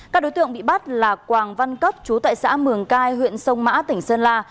các đối tượng bị bắt là quảng văn cấp chú tại xã mường cai huyện sông mã tỉnh sơn la